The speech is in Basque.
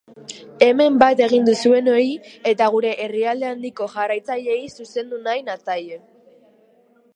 Hemen bat egin duzuenoi eta gure herrialde handiko jarraitzaileei zuzendu nahi natzaie.